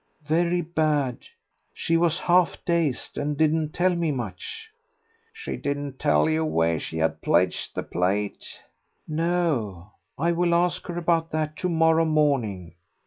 "Very bad. She was half dazed and didn't tell me much." "She didn't tell you where she had pledged the plate?" "No, I will ask her about that to morrow morning."